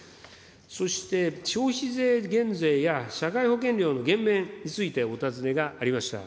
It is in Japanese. そして、消費税減税や社会保険料の減免についてお尋ねがありました。